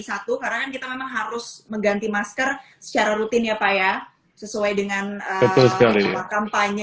satu karena kan kita memang harus mengganti masker secara rutin ya pak ya sesuai dengan kampanye